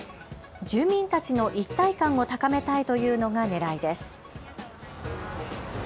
住民たちの一体感を高めたいというのがねらいです。